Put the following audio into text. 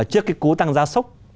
trước cái cú tăng gia sốc